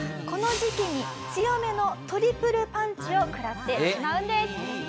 この時期に強めのトリプルパンチを食らってしまうんです。